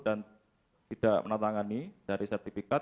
dan tidak menandatangani dari sertifikat